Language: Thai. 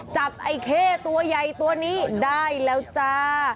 จับไอ้เข้ตัวใหญ่ตัวนี้ได้แล้วจ้า